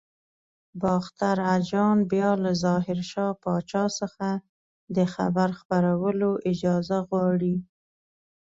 باختر اجان بیا له ظاهر شاه پاچا څخه د خبر خپرولو اجازه غواړي.